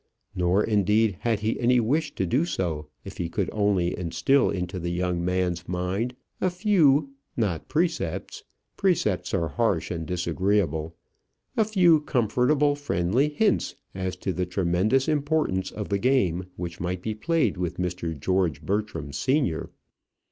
Nor indeed had he any wish to do so, if he could only instil into the young man's mind a few not precepts; precepts are harsh and disagreeable a few comfortable friendly hints as to the tremendous importance of the game which might be played with Mr. George Bertram senior.